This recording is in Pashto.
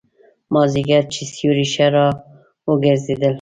مازیګر چې سیوري ښه را وګرځېدل.